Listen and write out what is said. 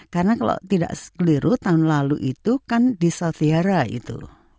karena kalau tidak keliru tahun lalu itu kan di sotiara itu